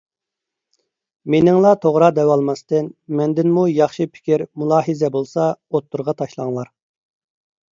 مېنىڭلا توغرا دەۋالماستىن، مەندىنمۇ ياخشى پىكىر، مۇلاھىزە بولسا ئوتتۇرىغا تاشلاڭلار.